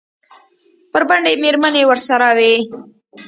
بربنډې مېرمنې ورسره وې؟